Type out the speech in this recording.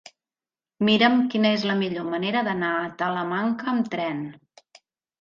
Mira'm quina és la millor manera d'anar a Talamanca amb tren.